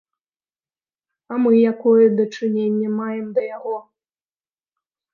А мы якое дачыненне маем да яго?